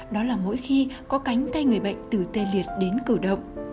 đó là mỗi khi có cánh tay người bệnh từ tê liệt đến cử động